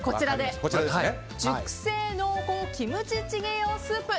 熟成濃厚キムチチゲ用スープ